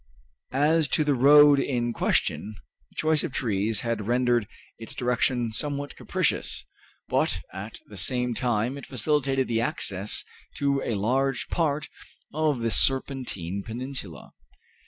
As to the road in question, the choice of trees had rendered its direction somewhat capricious, but at the same time it facilitated the access to a large part of the Serpentine Peninsula.